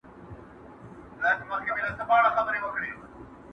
دارو د پوهي وخورﺉ کنې عقل به مو وخوري,